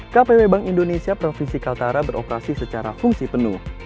kpw bank indonesia provinsi kaltara beroperasi secara fungsi penuh